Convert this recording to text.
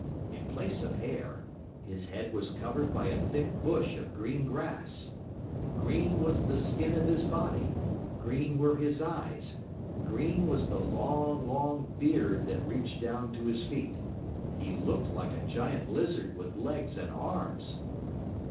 In place of hair, his head was covered by a thick bush of green grass. Green was the skin of his body, green were his eyes, green was the long, long beard that reached down to his feet. He looked like a giant lizard with legs and arms.